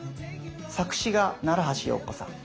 作詞が奈良橋陽子さん。